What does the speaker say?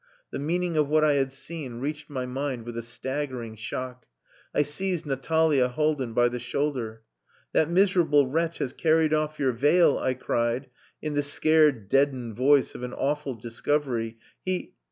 The meaning of what I had seen reached my mind with a staggering shock. I seized Natalia Haldin by the shoulder. "That miserable wretch has carried off your veil!" I cried, in the scared, deadened voice of an awful discovery. "He...."